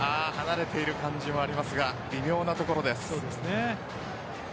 離れている感じはありますが微妙なところです。